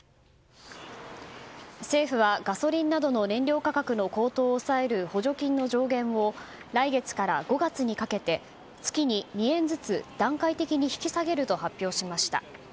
政府は、ガソリンなどの燃料価格の高騰を抑える補助金の上限を来月から５月にかけて月に２円ずつ段階的に引き下げると発表しました。